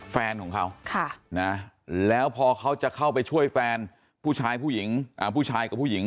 แฟนของเขาแล้วพอเขาจะเข้าไปช่วยแฟนผู้ชายผู้หญิงผู้ชายกับผู้หญิง